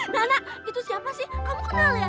nana itu siapa sih kamu kenal ya